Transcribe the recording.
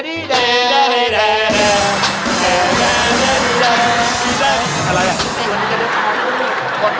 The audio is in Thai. อ้าบน้ำเสร็จแล้วลงคามิน